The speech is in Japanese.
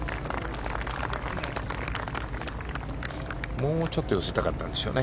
もうちょっと寄せたかったでしょうね。